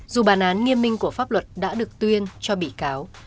dù bản án nghiêm minh của pháp luật đã được tuyên cho bị cáo